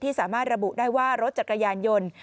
สามารถระบุได้ว่ารถจักรยานยนต์